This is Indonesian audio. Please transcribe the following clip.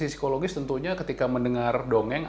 dari sisi psikologis tentunya ketika mendengar dongeng